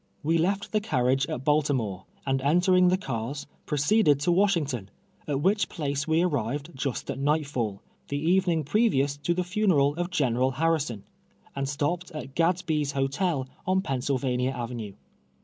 We left the carriage at Baltimore, and entering the cars, proceeded to AVashington, at which place we arrived just at nightfall, the evening previous to the funeral of General Harrison, and stopped at Gadsby's Hotel, on Pennsylvania Avenue.